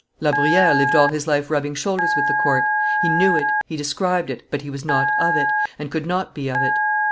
La Bruyere lived all his life rubbing shoulders with the court; he knew it, he described it, but he was not of it, and could not be of it.